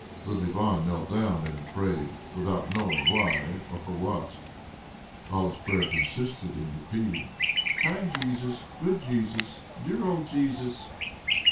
Little Ivan knelt down, and prayed without knowing why or for what. All his prayer consisted in repeating, "Kind Jesus!... Good Jesus!... Dear old Jesus!"